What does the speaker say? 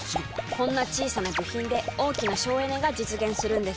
こんな小さな部品で大きな省エネが実現するのです。